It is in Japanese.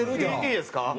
いいですか？